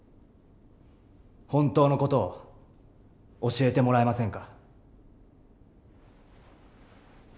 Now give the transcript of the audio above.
本当の事を教えてもらえませんか？